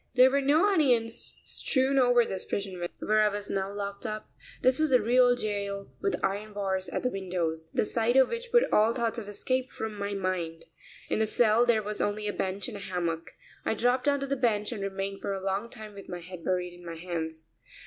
There were no onions strewn over this prison where I was now locked up. This was a real jail with iron bars at the windows, the sight of which put all thought of escape from my mind. In the cell there was only a bench and a hammock. I dropped onto the bench and remained for a long time with my head buried in my hands.